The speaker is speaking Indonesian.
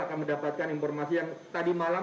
akan mendapatkan informasi yang tadi malam